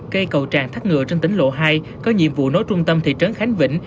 cây cầu tràn thác ngựa trên tỉnh lộ hai có nhiệm vụ nối trung tâm thị trấn khánh vĩnh